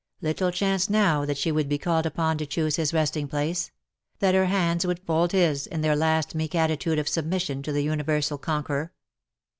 Little chance now that she would be called upon to choose his resting place — that her hands would fold his in their last meek attitude of submission to the universal conqueror.